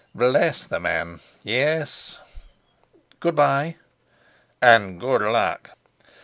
"Bless the man, yes!" "Good by." "And good luck."